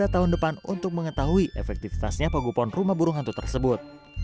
tiga tahun depan untuk mengetahui efektivitasnya pagupon rumah burung hantu tersebut